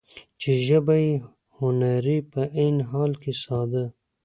چې ژبه يې هنري په عين حال کې ساده ،